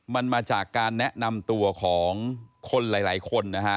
มันมาจากการแนะนำตัวของคนหลายคนนะฮะ